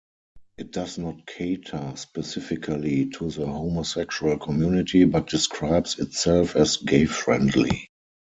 It does not cater specifically to the homosexual community but describes itself as gay-friendly.